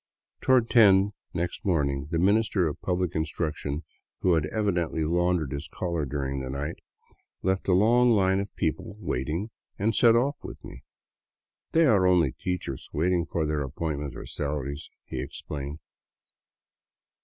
Toward ten next morning the Minister of Public Instruction, who had evidently laundered his collar during the night, left a long hne of people waiting and set off with me. " They are only teachers, waiting for their appointments or salaries," he explained.